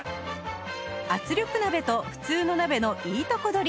圧力鍋と普通の鍋のいいとこ取り！